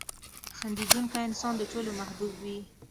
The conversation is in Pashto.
• خندېدونکی انسان د ټولو محبوب وي.